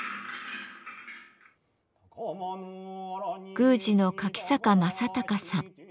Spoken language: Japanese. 宮司の柿坂匡孝さん。